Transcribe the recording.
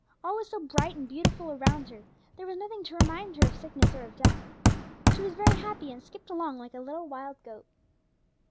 All was so bright and beautiful around her, there was nothing to remind her of sickness or of death. She was very happy, and skipped along like a little wild goat.